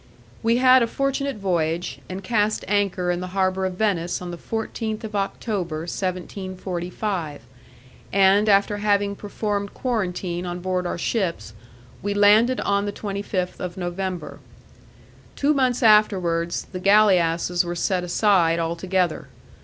We had a fortunate voyage, and cast anchor in the harbour of Venice on the 14th of October, 1745, and after having performed quarantine on board our ships, we landed on the 25th of November. Two months afterwards, the galeasses were set aside altogether.